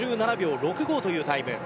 ５７秒６５というタイム。